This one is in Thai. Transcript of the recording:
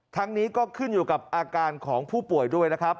ทั้งนี้ก็ขึ้นอยู่กับอาการของผู้ป่วยด้วยนะครับ